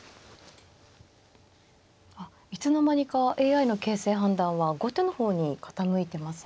あっいつの間にかＡＩの形勢判断は後手の方に傾いてますね。